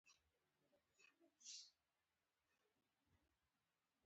هنري فورډ يو ډېر بريالی انسان و.